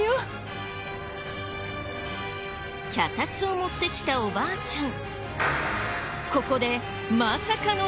脚立を持ってきたおばあちゃん。